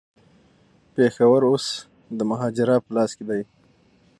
پېښور اوس د مهاراجا په لاس کي دی.